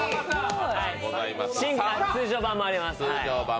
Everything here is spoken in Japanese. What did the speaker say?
白の通常盤もあります。